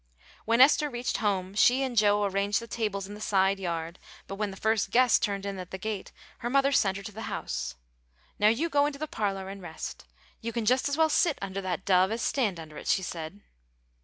When Esther reached home, she and Joe arranged the tables in the side yard, but when the first guest turned in at the gate her mother sent her to the house. "Now you go into the parlor and rest. You can just as well sit under that dove as stand under it," she said.